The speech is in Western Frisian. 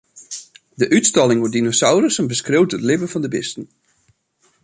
De útstalling oer dinosaurussen beskriuwt it libben fan de bisten.